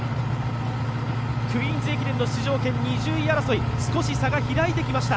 「クイーンズ駅伝」の出場権２０位争い少し差が開いてきました。